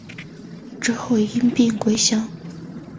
之后因病归乡。